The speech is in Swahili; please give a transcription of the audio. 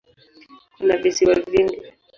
Kuna visiwa vingi.